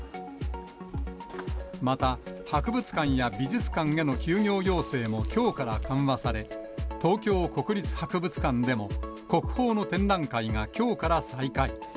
また、博物館や美術館への休業要請もきょうから緩和され、東京国立博物館でも、国宝の展覧会がきょうから再開。